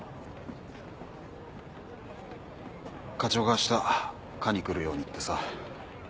課長が明日課に来るようにってさ。